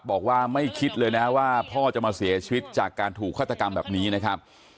บอกว่าไม่คิดเลยนะว่าพ่อจะมาเสียชีวิตจากการถูกฆาตกรรมแบบนี้นะครับ